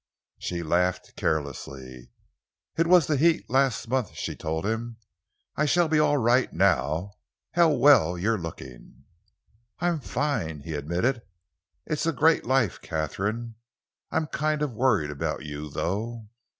She laughed carelessly. "It was the heat last month," she told him. "I shall be all right now. How well you're looking!" "I'm fine," he admitted. "It's a great life, Katharine. I'm kind of worried about you, though."